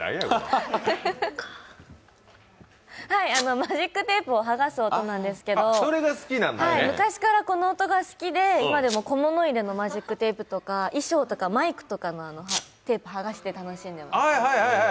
マジックテープをはがす音なんですけど、昔からこの音が好きで、今でも小物入れのマジックテープとか衣装とかマイクとかのテープを剥がして楽しんでます。